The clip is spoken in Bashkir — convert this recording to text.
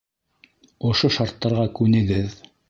Ошо шарттарға күнегеҙ.